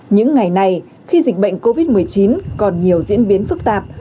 những ngày này khi dịch bệnh covid một mươi chín còn nhiều diễn biến phức tạp